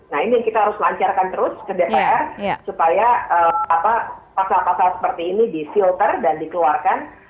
nah ini yang kita harus lancarkan terus ke dpr supaya pasal pasal seperti ini di filter dan dikeluarkan